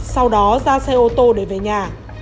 sau đó ra xe ô tô để về nhà